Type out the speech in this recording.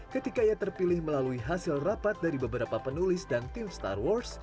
ketika ia terpilih melalui hasil rapat dari beberapa penulis dan tim star wars